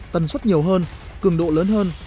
tần suất nhiều hơn cường độ lớn hơn